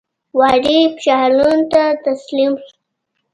والي فشارونو ته تسلیم شو.